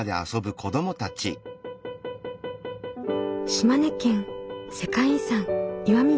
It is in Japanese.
島根県世界遺産岩見